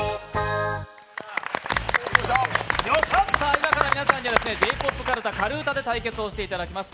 今から皆さんにはＪ‐ＰＯＰかるた「狩歌」で対決をしていただきます。